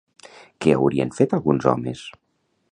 Què haurien fet alguns homes?